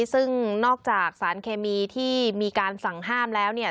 ซึ่งนอกจากสารเคมีที่มีการสั่งห้ามแล้วเนี่ย